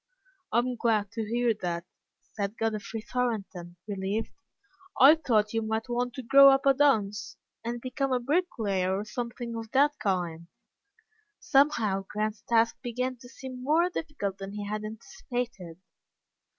"I'm glad to hear that," said Godfrey Thornton, relieved. "I thought you might want to grow up a dunce, and become a bricklayer or something of that kind." Somehow Grant's task began to seem more difficult than he had anticipated.